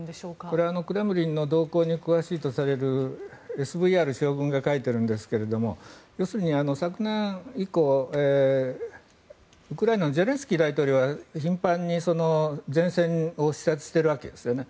これ、クレムリンの動向に詳しいとされるＳＶＲ将軍が書いてるんですが要するに昨年以降、ウクライナのゼレンスキー大統領は頻繁に前線を視察しているわけですよね。